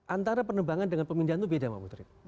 antara penebangan dengan pemindahan itu beda mbak putri